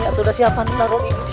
tidak ada siapaan yang menolong ini